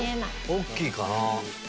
大きいかな。